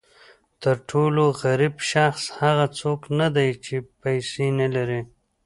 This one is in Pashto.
تر ټولو غریب شخص هغه څوک نه دی چې پیسې نه لري.